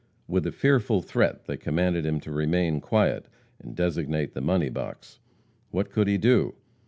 With a fearful threat they commanded him to remain quiet, and designate the money box. What could he do?